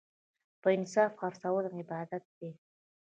په انصاف خرڅول عبادت دی.